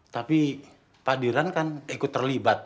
tapi pak diran kan ikut terlibat